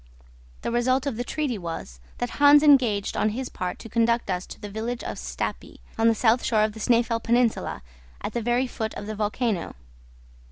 The result of the treaty was, that Hans engaged on his part to conduct us to the village of Stapi, on the south shore of the Snæfell peninsula, at the very foot of the volcano.